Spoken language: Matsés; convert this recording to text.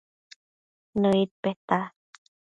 Nëid peta